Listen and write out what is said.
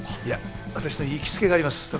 いや私の行きつけがあります。